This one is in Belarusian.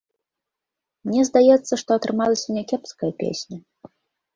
Мне здаецца, што атрымалася някепская песня.